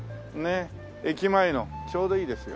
駅前のちょうどいいですよ。